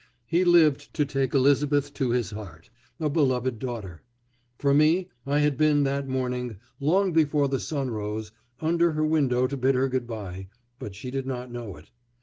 He lived to take Elizabeth to his heart, a beloved daughter. For me, I had been that morning, long before the sun rose, under her window to bid her good by, but she did not know it.